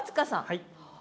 はい。